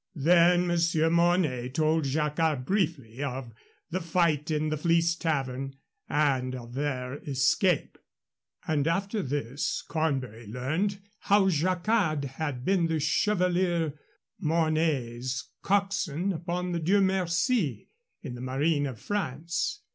Then Monsieur Mornay told Jacquard briefly of the fight in the Fleece Tavern and of their escape, and after this Cornbury learned how Jacquard had been the Chevalier Mornay's cockswain upon the Dieu Merci in the Marine of France.